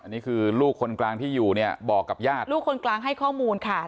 นี่คือลูกคนกลางที่อยู่เนี่ยบอกกับญาติลูกคนกลางให้ข้อมูลค่ะ